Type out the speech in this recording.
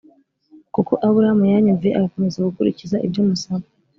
kuko Aburahamu yanyumviye agakomeza gukurikiza ibyo musaba